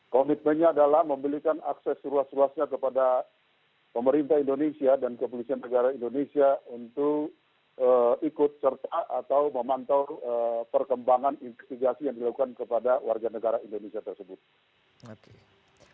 komitmennya adalah memberikan akses seluas luasnya kepada pemerintah indonesia dan kepolisian negara indonesia untuk ikut serta atau memantau perkembangan investigasi yang dilakukan kepada warga negara indonesia tersebut